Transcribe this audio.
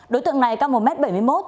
đối tượng này cao một m bảy mươi một